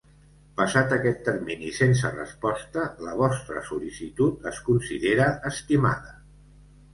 Passat aquest termini sense resposta la vostra sol·licitud es considera estimada.